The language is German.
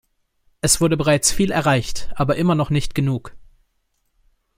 Es wurde bereits viel erreicht, aber immer noch nicht genug.